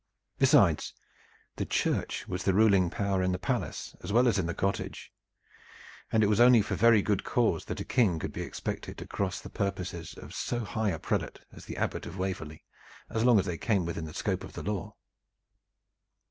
Besides, the Church was the ruling power in the palace as well as in the cottage, and it was only for very good cause that a King could be expected to cross the purposes of so high a prelate as the Abbot of Waverley, as long as they came within the scope of the law.